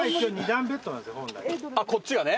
こっちがね。